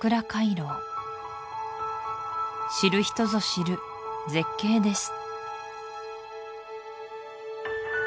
廻廊知る人ぞ知る絶景です